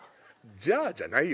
「じゃあ」じゃないよ。